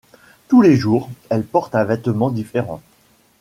tous les jours, elle porte un vêtement différent